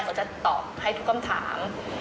เขาจะตอบให้ทุกคำถาม